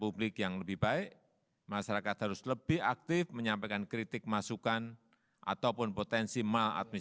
berikut pernyataan presiden